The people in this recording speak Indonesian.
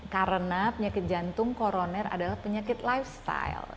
karena penyakit jantung koroner adalah penyakit lifestyle